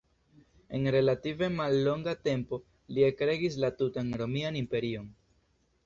En relative mallonga tempo li ekregis la tutan Romian Imperion.